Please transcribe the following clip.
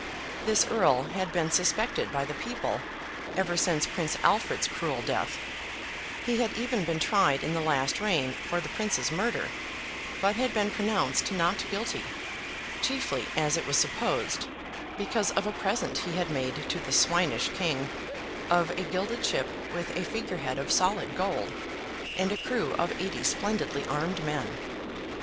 This Earl had been suspected by the people, ever since Prince Alfred's cruel death; he had even been tried in the last reign for the Prince's murder, but had been pronounced not guilty; chiefly, as it was supposed, because of a present he had made to the swinish King, of a gilded ship with a figure head of solid gold, and a crew of eighty splendidly armed men.